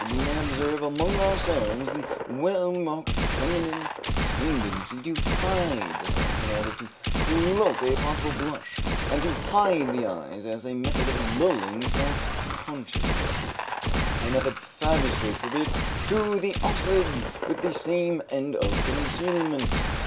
We may observe among ourselves the well marked feminine tendency to hide the face in order to cloak a possible blush, and to hide the eyes as a method of lulling self consciousness, a method fabulously attributed to the ostrich with the same end of concealment.